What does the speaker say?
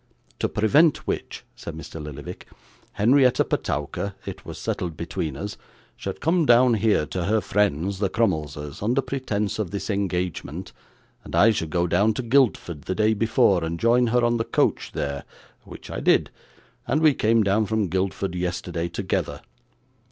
'To prevent which,' said Mr. Lillyvick, 'Henrietta Petowker (it was settled between us) should come down here to her friends, the Crummleses, under pretence of this engagement, and I should go down to Guildford the day before, and join her on the coach there, which I did, and we came down from Guildford yesterday together.